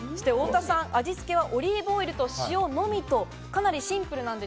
味つけはオリーブオイルと塩のみと、かなりシンプルです。